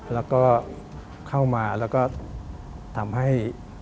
แล้วก็เข้ามาแล้วก็ทำให้